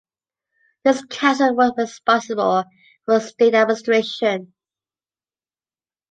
This Council was responsible for state administration.